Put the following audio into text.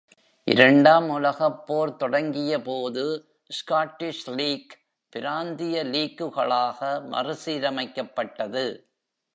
இரண்டாம் உலகப் போர் தொடங்கியபோது, ஸ்காட்டிஷ் லீக் பிராந்திய லீக்குகளாக மறுசீரமைக்கப்பட்டது